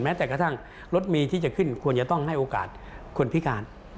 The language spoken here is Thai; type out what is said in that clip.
แต่กระทั่งรถเมย์ที่จะขึ้นควรจะต้องให้โอกาสคนพิการ